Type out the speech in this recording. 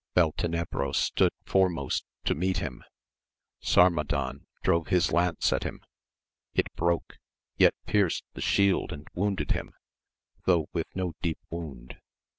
Beltenebros stood foremost to meet him. Sarmadan drove his lance at him, it broke, yet pierced the shield and wounded him, though with no deep wound.